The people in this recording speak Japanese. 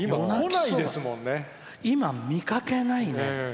今、見かけないね。